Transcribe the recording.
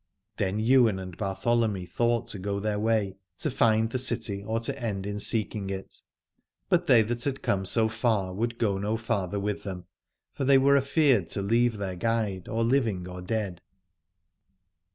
Then Ywain and Bartholomy thought to go their way, to find the city or to end in seeking it ; but they that had come so 152 Aladore far would go no farther with them, for they were afeard to leave their guide, or living or dead.